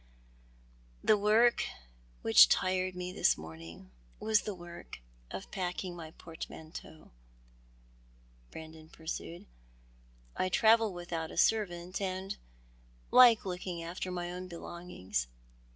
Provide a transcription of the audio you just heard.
" The work which tired me this morning was the work of l^acking my portmanteaux," Brandon pursued. " I travel with out a servant, and like looking after my own belongings.